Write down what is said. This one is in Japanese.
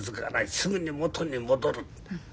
すぐに元に戻る」。